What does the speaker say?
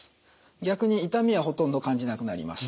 逆に痛みはほとんど感じなくなります。